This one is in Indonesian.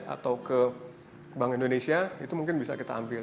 atau ke bank indonesia itu mungkin bisa kita ambil